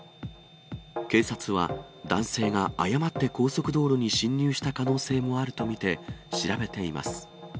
警察は、男性が誤って高速道路に進入した可能性もあると見て、調べています。